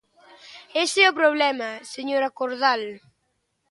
Ese é o problema, señora Cordal.